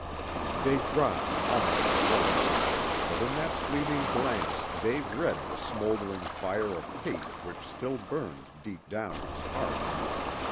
They dropped almost at once, but in that fleeting glance Dave read the smouldering fire of hate which still burned deep down in his heart.